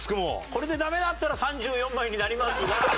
これでダメだったら３４枚になりますが。